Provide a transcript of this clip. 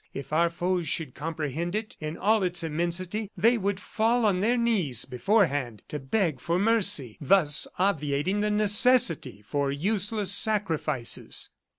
If our foes should comprehend it in all its immensity, they would fall on their knees beforehand to beg for mercy, thus obviating the necessity for useless sacrifices."